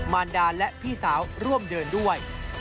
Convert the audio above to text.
มารดาและพี่สาวร่วมเดินด้วย